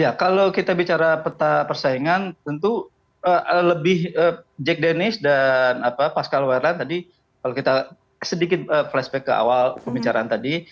ya kalau kita bicara peta persaingan tentu lebih jack denice dan pascal wehran tadi kalau kita sedikit flashback ke awal pembicaraan tadi